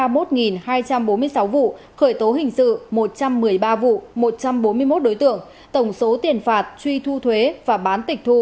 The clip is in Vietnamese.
xin chào và hẹn gặp lại